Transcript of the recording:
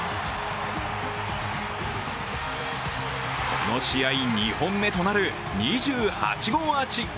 この試合２本目となる２８号アーチ。